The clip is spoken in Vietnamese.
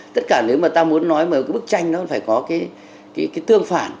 tất cả nếu mà ta muốn nói một cái bức tranh nó phải có cái tương phản